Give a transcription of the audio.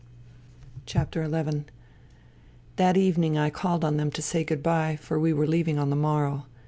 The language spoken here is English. . 208 FUTILITY XI That evening I called on them to say good bye, for we were leaving on the morrow.